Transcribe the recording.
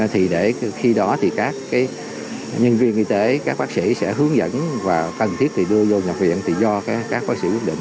thì để khi đó thì các nhân viên y tế các bác sĩ sẽ hướng dẫn và cần thiết thì đưa vô nhập viện thì do các bác sĩ quyết định